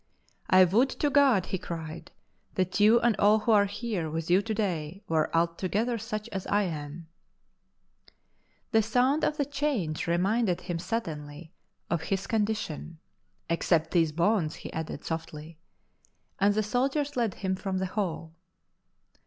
" I would to God," he cried, " that you and all who are here with you to day were alto gether such as I am "— the sound of the chains reminded him suddenly of his con " AN AMBASSADOR IN BONDS " 109 dition—" except these bonds," he added softly, and the soldiers led him from the hall.